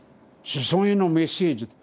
「子孫へのメッセージ」。